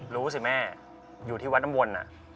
รู้สิแม่อยู่ที่วัดน้ำวน